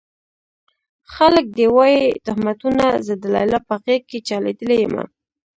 خلک دې وايي تُهمتونه زه د ليلا په غېږ کې چا ليدلی يمه